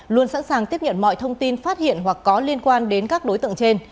luôn sẵn sàng tiếp nhận mọi thông tin phát hiện hoặc có liên quan đến các đối tượng trên